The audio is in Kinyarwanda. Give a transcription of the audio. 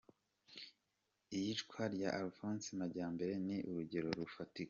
Iyicwa rya Alphonse Majyambere ni urugero rufatika.